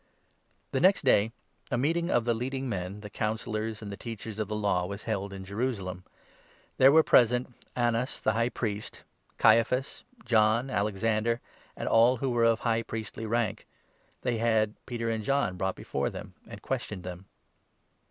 The next day, a meeting of the leading men, the Councillors, 5 and the Teachers of the Law was held in Jerusalem. There 6 were present Annas the High Priest, Caiaphas, John, Alex ander, and all who were of High Priestly rank. They had 7 Peter and John brought before them, and questioned them.